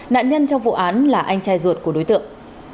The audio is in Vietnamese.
nạn nhân trong vụ án là anh trai ruột của đối tượng